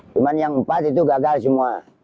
cuman yang empat itu gagal semua